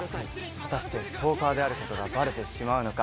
果たしてストーカーであることがバレてしまうのか。